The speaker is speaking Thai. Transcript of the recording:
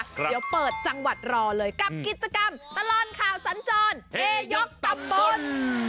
เดี๋ยวเปิดจังหวัดรอเลยกับกิจกรรมตลอดข่าวสัญจรเฮยกตำบล